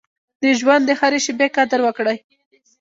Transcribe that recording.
د ژوند د هرې شېبې قدر وکړئ.